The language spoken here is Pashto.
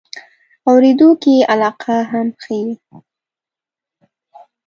اورېدو کې یې علاقه هم ښیو.